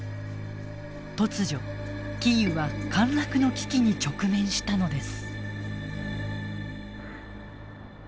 突如キーウは陥落の危機に直面したのです。